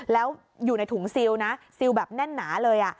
แล้วอยู่ในถุงซิลนะซิลแบบแน่นหนาเลย